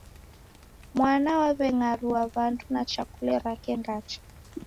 Mwana w'aw'eng'arua wandu na chakule rake ndacha